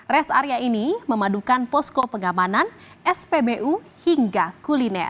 rest area ini memadukan posko pengamanan spbu hingga kuliner